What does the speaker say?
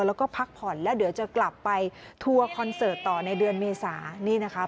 แล้วก็พักผ่อนแล้วเดี๋ยวจะกลับไปทัวร์คอนเสิร์ตต่อในเดือนเมษานี่นะคะ